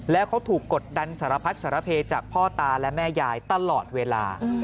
แล้วเขาถูกกดดันสารพัดสารเพจากพ่อตาและแม่ยายตลอดเวลา